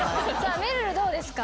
めるるどうですか？